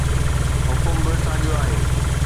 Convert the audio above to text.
حڪم به ساڳيو آهي.